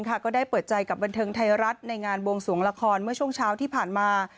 ก็ได้เปิดใจกับบันเทิงไทยรัฐในงานบวงสวงละครเมื่อช่วงเช้าที่ผ่านมา